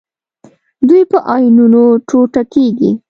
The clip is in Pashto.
دوی په آیونونو ټوټه کیږي.